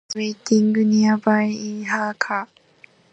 Kim was waiting nearby in her car.